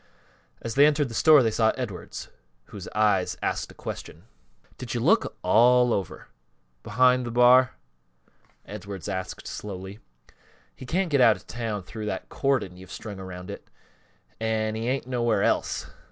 As they entered the store they saw Edwards, whose eyes asked a question. "No; he ain't in there yet," Hopalong replied. "Did you look all over? Behind th' bar?" Edwards asked, slowly. "He can't get out of town through that cordon you've got strung around it, an' he ain't nowhere else.